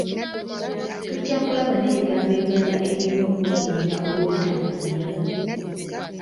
Tujja kulaba n’ebigambo ebirala ebirina okuggumira oba obutaggumira.